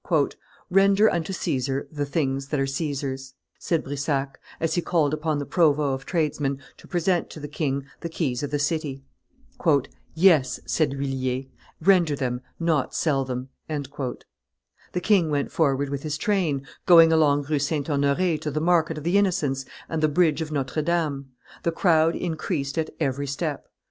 "Render unto Caesar the things that are Caesar's," said Brissac, as he called upon the provost of tradesmen to present to the king the keys of the city. "Yes," said L'Huillier, "render them, not sell them." The king went forward with his train, going along Rue St. Honore to the market of the Innocents and the bridge of Notre Dame; the crowd increased at every step.